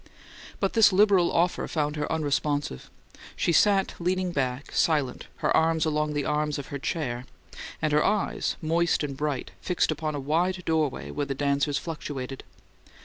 But this liberal offer found her unresponsive; she sat leaning back, silent, her arms along the arms of her chair, and her eyes, moist and bright, fixed upon a wide doorway where the dancers fluctuated.